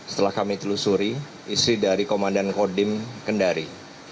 setelah kami telusuri istri dari komandan kodim kendari